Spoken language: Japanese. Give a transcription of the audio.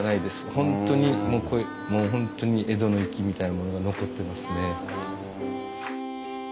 本当にもう本当に江戸の粋みたいなものが残ってますね。